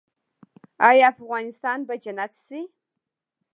آیا افغانستان به جنت شي؟